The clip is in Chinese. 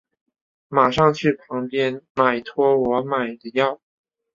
马上去旁边买托我买的药